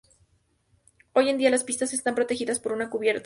Hoy en día, las pistas están protegidas por una cubierta.